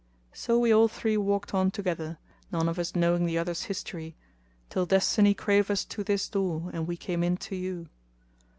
So we all three walked on together, none of us knowing the other's history, till Destiny drave us to this door and we came in to you.